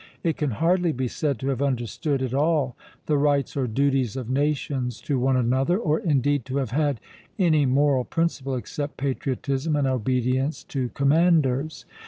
It can hardly be said to have understood at all the rights or duties of nations to one another, or indeed to have had any moral principle except patriotism and obedience to commanders.